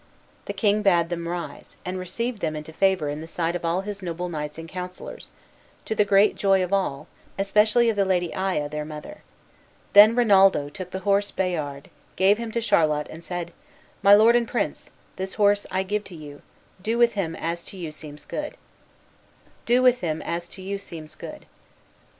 The king bade them rise, and received them into favor in the sight of all his noble knights and counsellors, to the great joy of all, especially of the Lady Aya, their mother. Then Rinaldo took the horse Bayard, gave him to Charlot, and said, "My lord and prince, this horse I give to you; do with him as to you seems good."